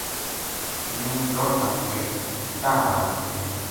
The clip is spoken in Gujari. میں دوڑ بھج کے داہ بھارو خسیا